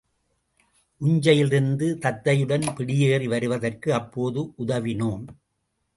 உஞ்சையிலிருந்து தத்தையுடன் பிடியேறி வருவதற்கு அப்போது உதவினோம்.